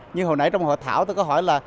nhưng hồi nãy trong hội thảo tôi có hỏi là